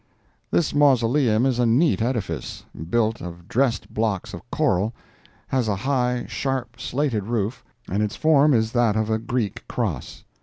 This mausoleum is a neat edifice, built of dressed blocks of coral, has a high, sharp, slated roof, and its form is that of a Greek cross.